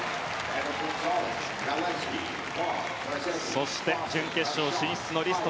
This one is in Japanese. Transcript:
そして準決勝進出リスト。